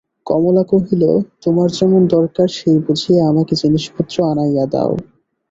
কমলা কহিল, তোমার যেমন দরকার সেই বুঝিয়া আমাকে জিনিসপত্র আনাইয়া দাও।